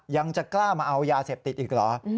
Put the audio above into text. ยังจะกล้ามาเอายาเสพติดอีกเหรอ